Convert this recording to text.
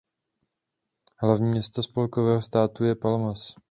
Hlavní město spolkového státu je Palmas.